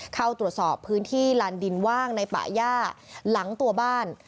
เข้าตรวจสอบพื้นที่ลานดินว่างในป่าย่าหลังตัวบ้าน